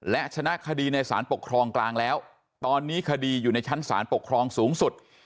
และชนะคดีในสารปกครองกลางแล้วตอนนี้คดีอยู่ในชั้นศาลปกครองสูงสุด